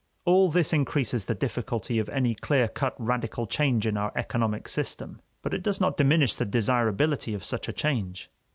All this increases the difficulty of any clear cut radical change in our economic system. But it does not diminish the desirability of such a change.